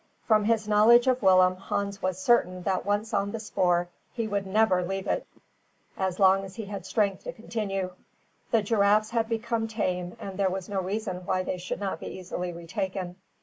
From his knowledge of Willem, Hans was certain that once on the spoor he would never leave it as long as he had strength to continue. The giraffes had become tame, and there was no reason why they should not be easily retaken.